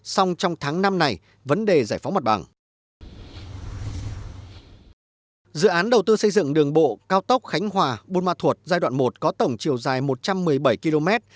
xây dựng đường bộ cao tốc khánh hòa bunma thuột giai đoạn một có tổng chiều dài một trăm một mươi bảy km